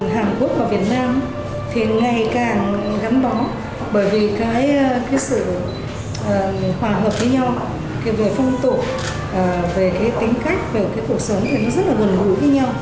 hàn quốc và việt nam thì ngày càng gắn bó bởi vì cái sự hòa hợp với nhau cái vừa phong tổ về cái tính cách về cái cuộc sống thì nó rất là gần gũi với nhau